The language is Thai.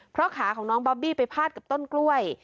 เพราะขาของน้องบอบบี้ไปพาดกับต้นกล้วย